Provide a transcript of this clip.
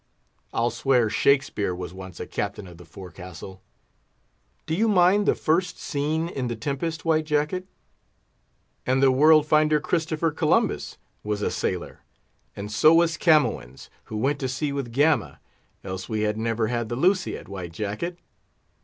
I'll swear Shakspeare was once a captain of the forecastle. Do you mind the first scene in The Tempest, White Jacket? And the world finder, Christopher Columbus, was a sailor! and so was Camoens, who went to sea with Gama, else we had never had the Lusiad, White Jacket.